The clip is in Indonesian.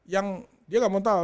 yang dia gak mau tahu